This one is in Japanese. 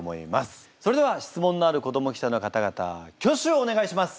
それでは質問のある子ども記者の方々挙手をお願いします。